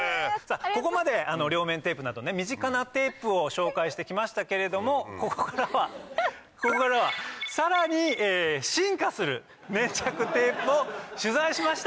ここまで両面テープなど身近なテープを紹介してきましたけれどもここからはさらに進化する粘着テープを取材しました！